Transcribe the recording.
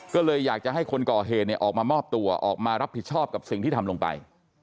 ก็เลยอยากจะให้คนก่อเหตุออกมามอบตัวออกมารับผิดชอบกับสิ่งที่ทำลงไป